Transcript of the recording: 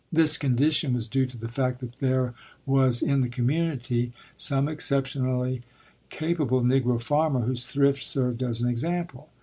This condition was due to the fact that there was in the community some exceptionally capable Negro farmer whose thrift served as an example.